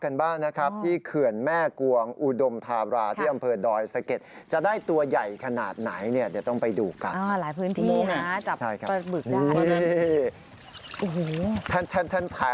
เปิดมาให้คุณดูเลยว่าตัวใหญ่ขนาดไหน